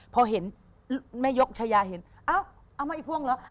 พอเห็นแม่ยกชายาเห็นเอ้าเอามาอีกพ่วงเหรอ